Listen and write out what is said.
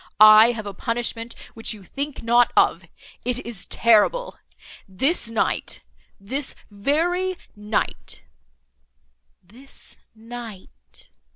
I have a punishment which you think not of; it is terrible! This night—this very night—" "This night!"